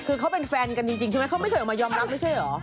คือเขาเป็นแฟนกันจริงใช่ไหมเขาไม่เคยออกมายอมรับไม่ใช่เหรอ